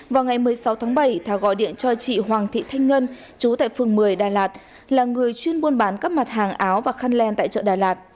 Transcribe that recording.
vào ngày một mươi sáu tháng bảy thảo gọi điện cho chị hoàng thị thanh ngân chú tại phường một mươi đà lạt là người chuyên buôn bán các mặt hàng áo và khăn len tại chợ đà lạt